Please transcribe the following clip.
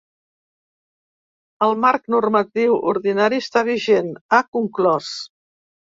El marc normatiu ordinari està vigent, ha conclòs.